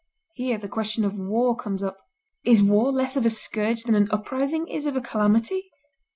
Here the question of war comes up. Is war less of a scourge than an uprising is of a calamity?